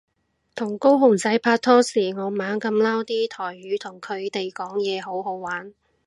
同高雄仔拍拖時我猛噉撈啲台語同佢講嘢好好玩